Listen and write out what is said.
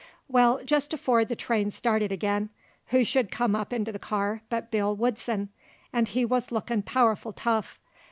Well, just afore the train started ag'in, who should come into the car but Bill Woodson, and he wuz lookin' powerful tough.